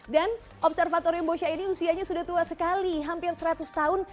dan observatorium bosha ini usianya sudah tua sekali hampir seratus tahun